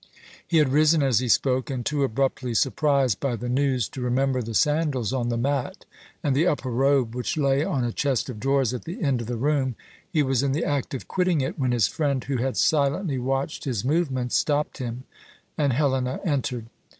He had risen as he spoke, and too abruptly surprised by the news to remember the sandals on the mat and the upper robe which lay on a chest of drawers at the end of the room, he was in the act of quitting it, when his friend, who had silently watched his movements, stopped him, and Helena entered.